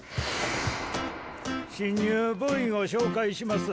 新入部員を紹介します。